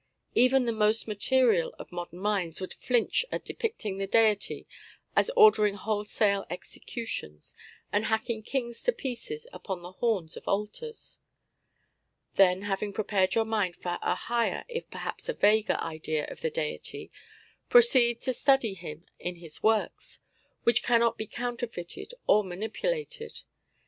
Even the most material of modern minds would flinch at depicting the Deity as ordering wholesale executions, and hacking kings to pieces upon the horns of altars. Then having prepared your mind for a higher (if perhaps a vaguer) idea of the Deity, proceed to study Him in His works, which cannot be counterfeited or manipulated.